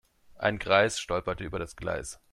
Ein Greis stolperte über das Gleis.